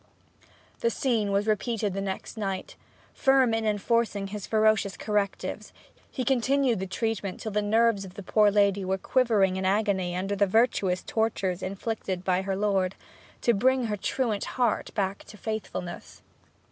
The scene was repeated the next night. Firm in enforcing his ferocious correctives, he continued the treatment till the nerves of the poor lady were quivering in agony under the virtuous tortures inflicted by her lord, to bring her truant heart back to faithfulness.